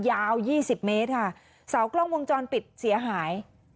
ยาว๒๐เมตรค่ะเสากล้องวงจรปิดเสียหาย